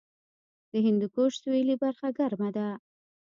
د هندوکش سویلي برخه ګرمه ده